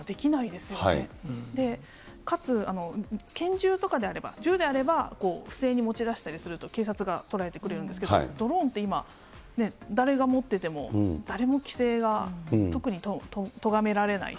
で、かつ拳銃とかであれば、銃であれば不正に持ち出したりすると、警察が捉えてくれるんですけど、ドローンって今、ねっ、誰が持ってても、誰も規制が、特にとがめられない。